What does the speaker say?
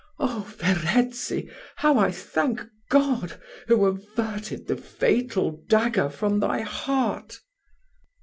Oh! Verezzi, how I thank God, who averted the fatal dagger from thy heart!"